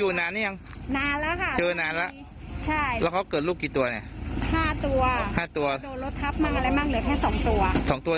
สองตัวนี้ใช่ค่ะหรือแค่สองตัว